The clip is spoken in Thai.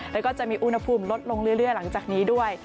แล้วก็จะมีอุณหภูมิลดลงเรื่อยหลังจากนี้ด้วย